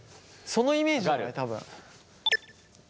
そのイメージだね多分。